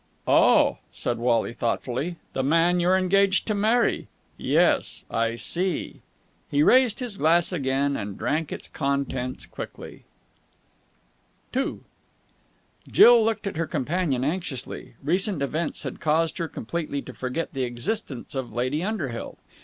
"Oh!" said Wally thoughtfully. "The man you're engaged to marry? Yes, I see!" He raised his glass again, and drank its contents quickly. II Jill looked at her companion anxiously. Recent events had caused her completely to forget the existence of Lady Underhill.